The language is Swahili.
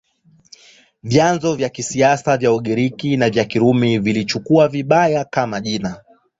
Vyanzo vya kisasa vya Ugiriki na vya Kirumi viliichukulia vibaya, kama jina.